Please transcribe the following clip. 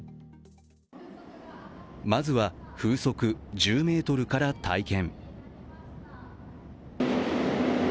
まずは風速１０メートルから体験。